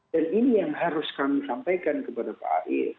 dan ini yang harus kami sampaikan kepada pak air